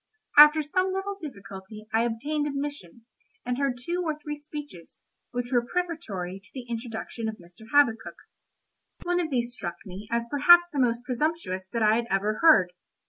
After some little difficulty I obtained admission, and heard two or three speeches, which were prefatory to the introduction of Mr. Habakkuk. One of these struck me as perhaps the most presumptuous that I had ever heard.